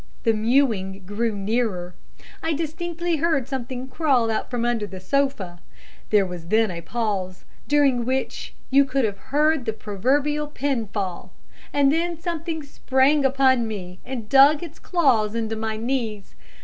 The mewing grew nearer. I distinctly heard something crawl out from under the sofa; there was then a pause, during which you could have heard the proverbial pin fall, and then something sprang upon me and dug its claws in my knees.